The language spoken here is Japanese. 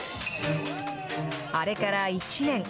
あれから１年。